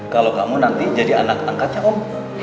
kalau kamu nanti jadi anak angkatnya om